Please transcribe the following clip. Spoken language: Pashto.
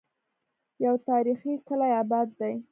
يو تاريخي کلے اباد دی